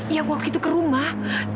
yang waktu itu ke rumah